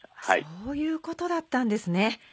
そういうことだったんですね。